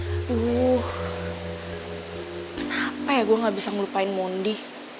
aduh kenapa ya gue gak bisa ngelupain mondi